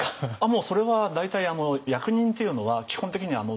それは大体役人っていうのは基本的に前例の延長。